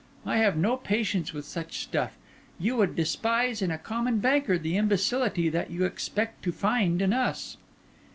I have no patience with such stuff. You would despise in a common banker the imbecility that you expect to find in us."